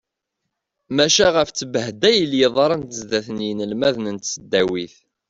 Maca ɣef ttbehdayel yeḍran sdat n yinelmaden n tesdawit.